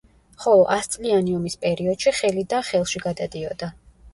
ხოლო ასწლიანი ომის პერიოდში ხელიდან ხელში გადადიოდა.